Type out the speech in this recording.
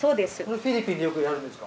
フィリピンでよくやるんですか？